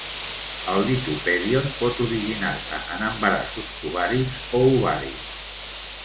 El litopèdion pot originar-se en embarassos tubàrics o ovàrics.